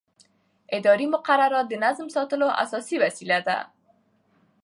اداري مقررات د نظم ساتلو اساسي وسیله ده.